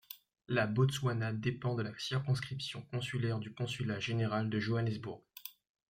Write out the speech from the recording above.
La Botswana dépend de la circonscription consulaire du Consulat général de Johannesburg.